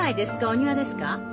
お庭ですか？